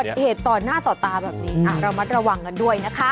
หรือว่าเหตุต่อหน้าต่อตาแบบนี้เรามาระวังกันด้วยนะคะ